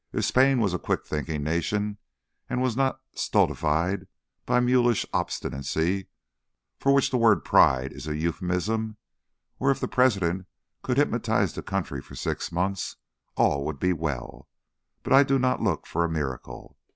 If Spain was a quick thinking nation and was not stultified by a mulish obstinacy for which the word 'pride' is a euphemism, or if the President could hypnotize the country for six months, all would be well, but I do not look for a miracle.